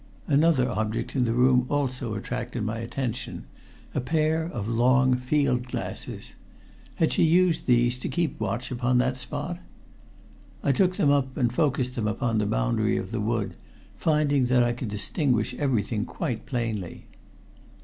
Another object in the room also attracted my attention a pair of long field glasses. Had she used these to keep watch upon that spot? I took them up and focused them upon the boundary of the wood, finding that I could distinguish everything quite plainly.